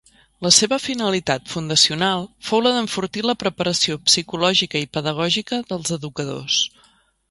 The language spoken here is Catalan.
La seva finalitat fundacional fou la d'enfortir la preparació psicològica i pedagògica dels educadors.